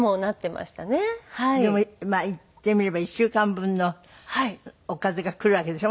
でもまあ言ってみれば１週間分のおかずが来るわけでしょ？